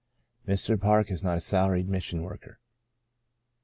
Mr. Park is not a salaried mission worker.